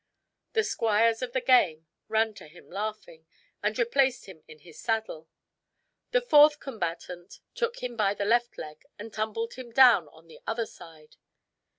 The squires of the game ran to him laughing, and replaced him in his saddle. The fourth combatant took him by the left leg, and tumbled him down on the other side.